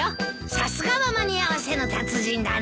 さすがは間に合わせの達人だね。